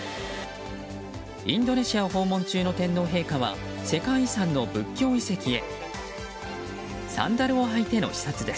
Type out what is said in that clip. インドネシアを訪問中の天皇陛下は世界遺産の仏教遺跡へ。